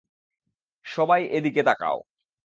সবাই এদিকে তাকাও।